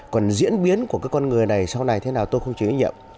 còn diễn biến của cái con người này sau này thế nào tôi không chịu trách nhiệm